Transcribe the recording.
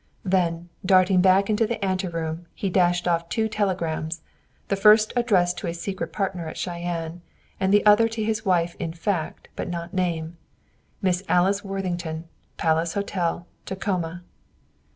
Then, darting back into the ante room, he dashed off two telegrams, the first addressed to his secret partner at Cheyenne, and the other to his wife in fact, but not name, "Miss Alice Worthington, Palace Hotel, Tacoma."